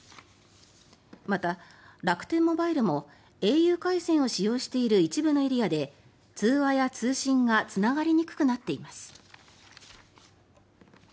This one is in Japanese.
また、楽天モバイルもａｕ回線を使用している一部のエリアで通話や通信がつながりにくくなっています。